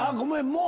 もう。